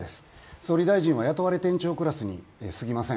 総理大臣は雇われ店長クラスにすぎません